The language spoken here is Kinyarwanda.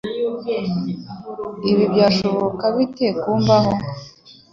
Ibi byashoboka bite kumbaho?